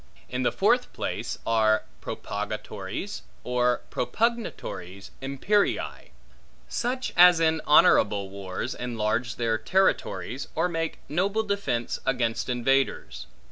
In the fourth place are propagatores or propugnatores imperii; such as in honorable wars enlarge their territories, or make noble defence against invaders.